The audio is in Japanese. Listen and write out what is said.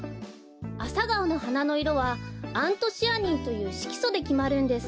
アサガオのはなのいろはアントシアニンというしきそできまるんです。